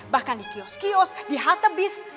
bahkan di kios kios di halte bis